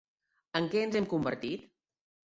En què ens hem convertit?